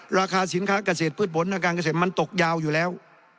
ราคาสินค้าเกษตรพืชผลทางการเกษตรมันตกยาวอยู่แล้ว